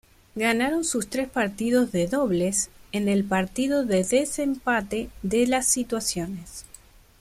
Ganaron sus tres partidos de dobles en el partido de desempate de las situaciones.